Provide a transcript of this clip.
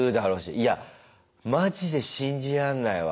いやマジで信じらんないわ。